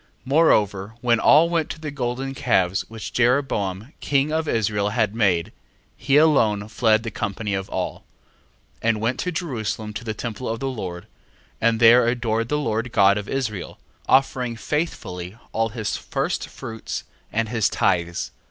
1:5. Moreover when all went to the golden calves which Jeroboam king of Israel had made, he alone fled the company of all, 1:6. And went to Jerusalem to the temple of the Lord, and there adored the Lord God of Israel, offering faithfully all his firstfruits, and his tithes, 1:7.